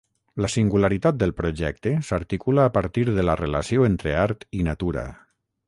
La singularitat del projecte s’articula a partir de la relació entre art i natura.